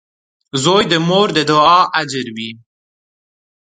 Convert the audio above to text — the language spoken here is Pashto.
• زوی د مور د دعا اجر وي.